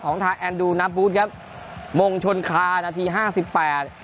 ทางแอนดูนับบูธครับมงชนคานาทีห้าสิบแปด